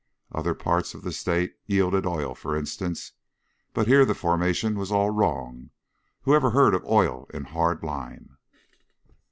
Other parts of the state yielded oil, for instance, but here the formation was all wrong. Who ever heard of oil in hard lime?